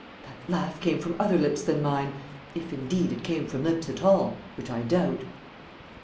"That laugh came from other lips than mine if, indeed, it came from lips at all, which I doubt."